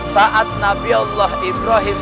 saat nabi allah ibrahim